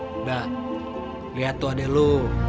udah lihat tuh ada lu